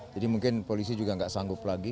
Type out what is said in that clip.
jadi mungkin polisi juga nggak sanggup lagi